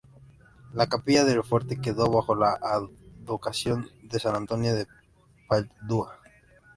La capilla del fuerte quedó bajo la advocación de San Antonio de Padua.